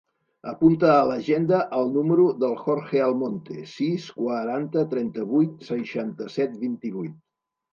Apunta a l'agenda el número del Jorge Almonte: sis, quaranta, trenta-vuit, seixanta-set, vint-i-vuit.